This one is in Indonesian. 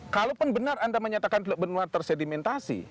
kalaupun benar anda menyatakan teluk benua tersedimentasi